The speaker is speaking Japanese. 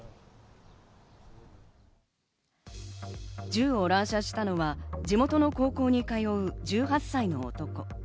銃を乱射したのは、地元の高校に通う１８歳の男。